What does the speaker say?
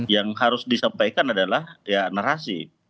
yang harus disampaikan adalah ya narasi